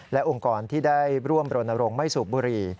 และองค์กรที่ได้ร่วมรณรงค์ไม่สูบบุหรี่